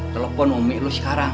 telepon umi lu sekarang